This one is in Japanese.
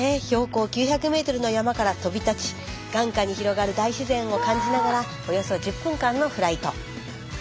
標高９００メートルの山から飛び立ち眼下に広がる大自然を感じながらおよそ１０分間のフライト。